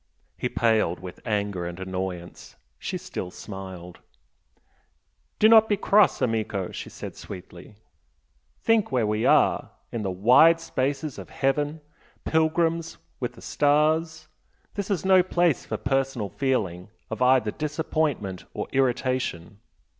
He paled with anger and annoyance, she still smiled. "Do not be cross, AMICO!" she said, sweetly. "Think where we are! in the wide spaces of heaven, pilgrims with the stars! This is no place for personal feeling of either disappointment or irritation.